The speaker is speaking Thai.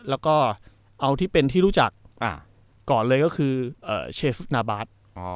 แล้วก็เอาที่เป็นที่รู้จักก่อนเลยก็คือเชฟุตนาบาท